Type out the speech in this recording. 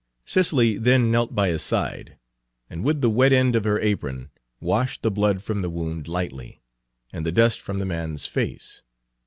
Cicely then knelt by his side, and with the wet end of her apron washed the blood from the wound lightly, and the dust from the man's face.